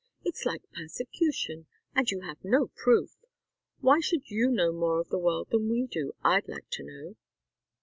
"It's like persecution, and you have no proof. Why should you know more of the world than we do, I'd like to know?"